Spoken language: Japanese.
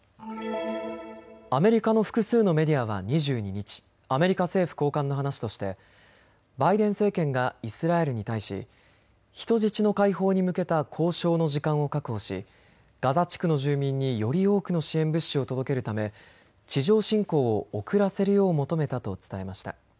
アメリカの複数のメディアは２２日、アメリカ政府高官の話としてバイデン政権がイスラエルに対し人質の解放に向けた交渉の時間を確保し、ガザ地区の住民により多くの支援物資を届けるため地上侵攻を遅らせるよう求めたと伝えました。